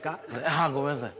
ああごめんなさい。